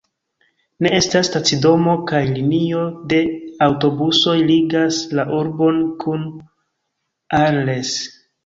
Ne estas stacidomo, kaj linio de aŭtobusoj ligas la urbon kun Arles.